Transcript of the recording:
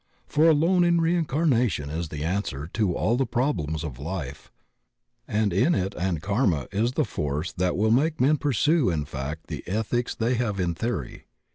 For alone in reincarnation is the answer to all the problems of life, and in it and Karma is the force that will make men pursue in fact the ethics they have in theory.